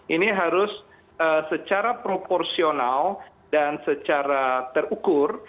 ini harus secara proporsional dan secara terukur